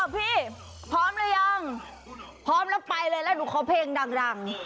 พี่พร้อมหรือยังพร้อมแล้วไปเลยแล้วหนูขอเพลงดัง